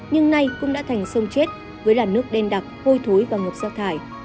nhưng nay cũng đã thành sông chết với làn nước đen đặc hôi thối và ngập giác thải